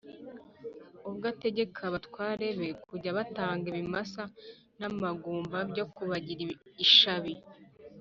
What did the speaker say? ubwo ategeka abatware be kujya batanga ibimasa n' amagumba byo kubagira lshabi.